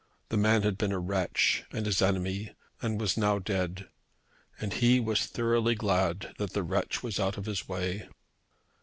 The man had been a wretch and his enemy and was now dead; and he was thoroughly glad that the wretch was out of his way.